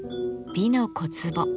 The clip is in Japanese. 「美の小壺」